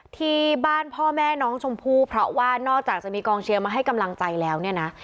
ที่บ้านพ่อแม่น้องชมพู่เพราะว่านอกจากจะมีกองเชียร์มาให้กำลังใจแล้วเนี่ยนะ